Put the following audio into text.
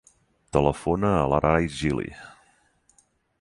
Telefona a l'Aray Gili.